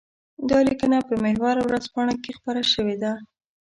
دا ليکنه په محور ورځپاڼه کې خپره شوې ده.